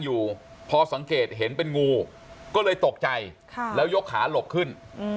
อยู่พอสังเกตเห็นเป็นงูก็เลยตกใจแล้วยกขาหลบขึ้น